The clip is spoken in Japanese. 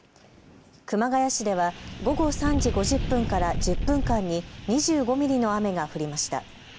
熊谷市では午後３時５０分から１０分間に２５ミリの雨が降りました。